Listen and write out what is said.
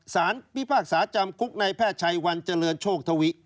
สารพิพากษาจำคุกในแพทย์ชัยวันเจริญโชคทวิ